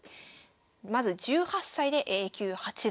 まず「１８歳でＡ級八段」。